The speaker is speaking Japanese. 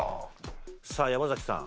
さあ山崎さん。